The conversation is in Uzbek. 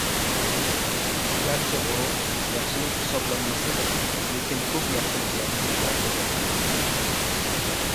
Garchi g‘urur yaxshilik hisoblanmasa-da, lekin ko‘p yaxshiliklarning boshidir.